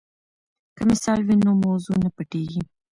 که مثال وي نو موضوع نه پټیږي.